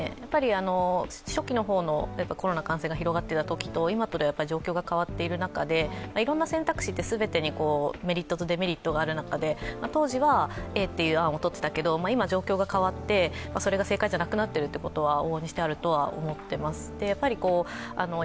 初期のコロナ感染が広がっていたときと今とでは状況が変わっている中で、いろんな選択肢って全てにメリットとデメリットがある中で当時はＡという案をとっていたけど今は状況が変わって、それが正解じゃなくなっているということは往々にしてあるとは思っています。